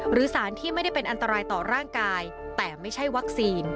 หรือสารที่ไม่ได้เป็นอันตรายต่อร่างกายแต่ไม่ใช่วัคซีน